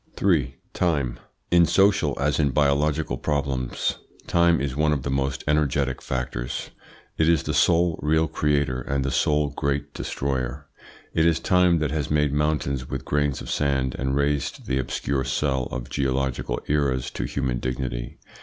3. TIME In social as in biological problems time is one of the most energetic factors. It is the sole real creator and the sole great destroyer. It is time that has made mountains with grains of sand and raised the obscure cell of geological eras to human dignity.